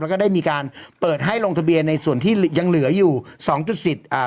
แล้วก็ได้มีการเปิดให้ลงทะเบียนในส่วนที่ยังเหลืออยู่สองจุดสิบอ่า